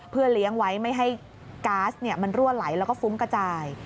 เพื่อเลี้ยงไว้ไม่ให้ก๊าซมันรั่วไหลแล้วก็ฟุ้งกระจาย